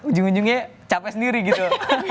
ujung ujungnya capek sendiri gitu